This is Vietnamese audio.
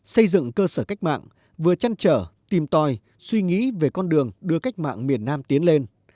xây dựng cơ sở cách mạng vừa trăn trở tìm tòi suy nghĩ về con đường đưa cách mạng miền nam tiến lên